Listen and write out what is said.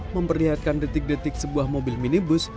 memperlihatkan detik detik sebuah mobil minibus